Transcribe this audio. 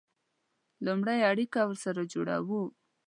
لومړی اړیکه ورسره جوړوو.